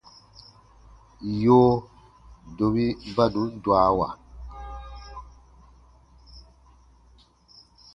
Yoo, domi ba nùn dwawa.